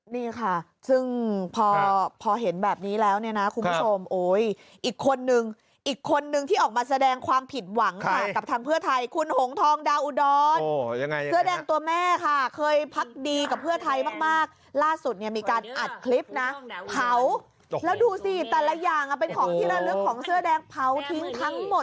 ล่าสุดมีการอัดคลิปนะเผาแล้วดูสิแต่ละอย่างเป็นของที่เลือกของเสื้อแดง